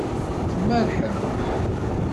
Tmerrḥem.